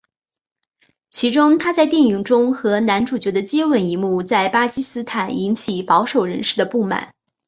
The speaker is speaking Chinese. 其中她在电影中和男主角的接吻一幕在巴基斯坦引起保守人士的不满。